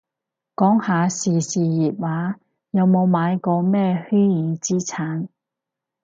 講下時事熱話，有冇買過咩虛擬資產